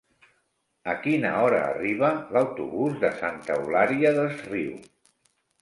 A quina hora arriba l'autobús de Santa Eulària des Riu?